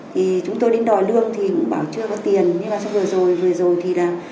thì chúng tôi đến đòi lương thì cũng bảo chưa có tiền nhưng mà xong vừa rồi vừa rồi thì là